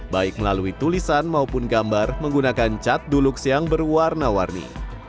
baik melalui tulisan maupun gambar menggunakan cat dulux yang berwarna warni